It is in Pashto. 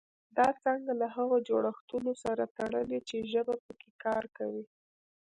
دا څانګه له هغو جوړښتونو سره تړلې چې ژبه پکې کار کوي